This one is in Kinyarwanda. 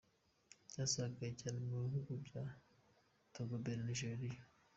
Ryasakaye cyane mu bihugu bya Togo, Benin na Nigeria.